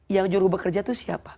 yang juru bekerja itu siapa